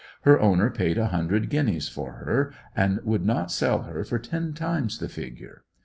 Her owner paid a hundred guineas for her, and would not sell her for ten times the figure.